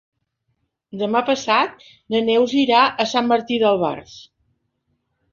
Demà passat na Neus irà a Sant Martí d'Albars.